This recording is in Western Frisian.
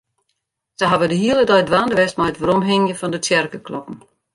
Se hawwe de hiele dei dwaande west mei it weromhingjen fan de tsjerkeklokken.